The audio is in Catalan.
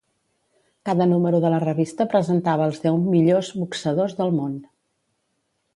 Cada número de la revista presentava als deu millors boxadors del món.